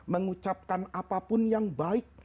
mengucapkan apapun yang baik